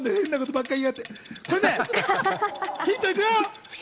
ヒントいくよ。